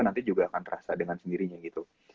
nanti juga akan terasa dengan sendirinya gitu